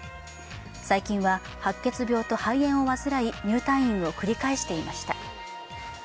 最近は白血病と肺炎を患い入退院を繰り返していました。